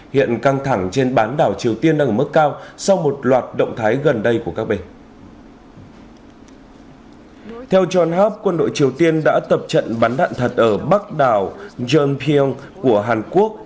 hiện căng thẳng trên bán đảo triều tiên đang ở mức cao sau một loạt động thái gần đây của các bên